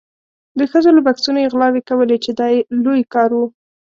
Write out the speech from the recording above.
د ښځو له بکسونو یې غلاوې کولې چې دا یې لوی کار و.